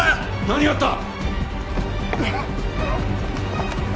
何があった？